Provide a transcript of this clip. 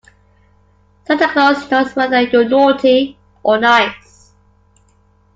Santa Claus knows whether you're naughty or nice.